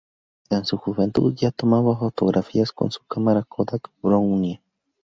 En su juventud ya tomaba fotografías con su cámara Kodak Brownie.